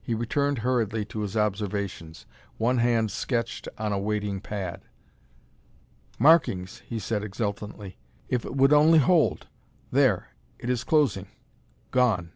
He returned hurriedly to his observations. One hand sketched on a waiting pad. "Markings!" he said exultantly. "If it would only hold!... There, it is closing ... gone...."